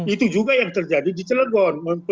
itu juga yang terjadi di celegon